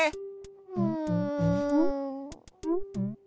うん。